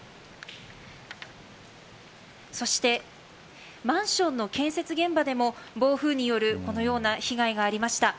そしてマンションの建設現場でも暴風によるこのような被害がありました。